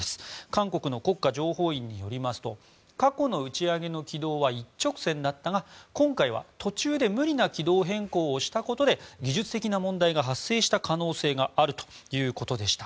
韓国の国家情報院によりますと過去の打ち上げの軌道は一直線だったが今回は途中で無理な軌道変更をしたことで技術的な問題が発生した可能性があるということでした。